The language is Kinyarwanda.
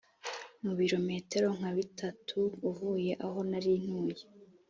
mu birometero nka bitatu uvuye aho nari ntuye